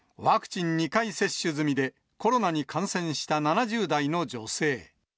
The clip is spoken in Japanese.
ワクチン２回接種済みで、コロナに感染した７０代の女性。